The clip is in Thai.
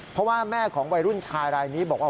เพราะว่าแม่ของวัยรุ่นชายรายนี้บอกว่า